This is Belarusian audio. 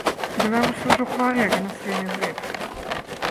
Беларусы ўжо хварэлі на свіны грып!